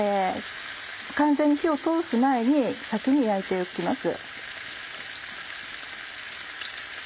完全に火を通す前に先に焼いておきます。